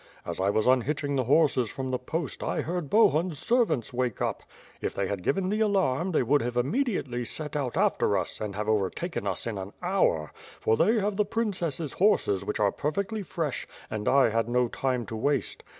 As I was unhitching the horses from the post, I heard Bohun's servants wake up. If they had given the alarm they would immediately have set out after us and have overtaken us in an hour — for they have the princess's horses which are perfectly fresh, and I had no time to waste.